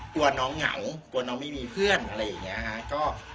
กลัวน้องเหงากลัวน้องไม่มีเพื่อนอะไรอย่างนี้ฮะ